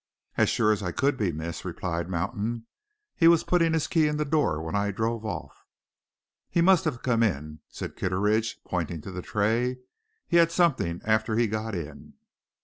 "As sure as I could be, miss," replied Mountain. "He was putting his key in the door when I drove off." "He must have come in," said Kitteridge, pointing to the tray. "He had something after he got in."